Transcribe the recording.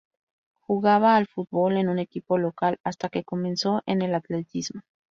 Jugaba al fútbol en un equipo local, hasta que comenzó en el atletismo.